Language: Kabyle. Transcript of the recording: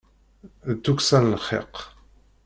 D tukksa n lxiq.